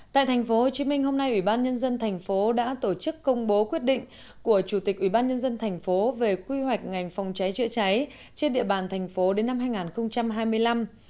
tại tp hcm hôm nay ủy ban nhân dân tp đã tổ chức công bố quyết định của chủ tịch ủy ban nhân dân tp về quy hoạch ngành phòng cháy chữa cháy trên địa bàn tp đến năm hai nghìn hai mươi năm